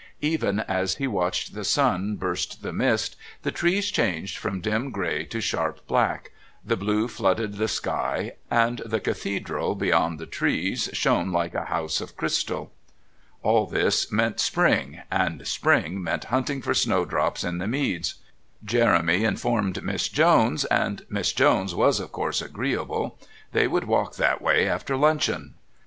Even as he watched the sun burst the mist, the trees changed from dim grey to sharp black, the blue flooded the sky, and the Cathedral beyond the trees shone like a house of crystal. All this meant spring, and spring meant hunting for snowdrops in the Meads. Jeremy informed Miss Jones, and Miss Jones was, of course, agreeable. They would walk that way after luncheon.